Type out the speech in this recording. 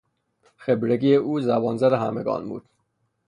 خبرگی او زبانزد همگان بود